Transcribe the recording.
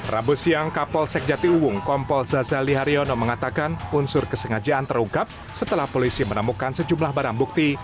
rabu siang kapol sek jatuh uung kompol zazali haryono mengatakan unsur kesengajaan terungkap setelah polisi menemukan sejumlah barang bukti